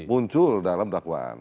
muncul dalam dakwaan